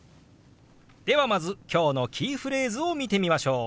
ではまず今日のキーフレーズを見てみましょう。